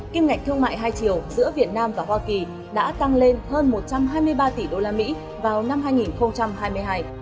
kim ngạch thương mại hai triệu giữa việt nam và hoa kỳ đã tăng lên hơn một trăm hai mươi ba tỷ usd vào năm hai nghìn hai mươi hai